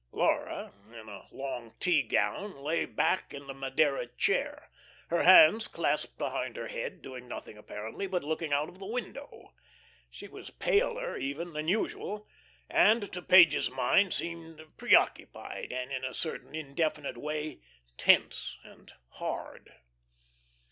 Laura, in a long tea gown lay back in the Madeira chair, her hands clasped behind her head, doing nothing apparently but looking out of the window. She was paler even than usual, and to Page's mind seemed preoccupied, and in a certain indefinite way tense and hard.